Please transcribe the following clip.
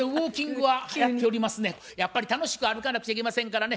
やっぱり楽しく歩かなくちゃいけませんからね